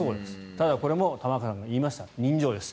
ただ、これも玉川さんが言いました人情です。